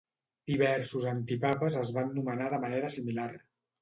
Diversos antipapes es van nomenar de manera similar.